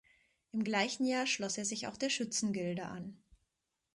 Im gleichen Jahr schloss er sich auch der Schützengilde an.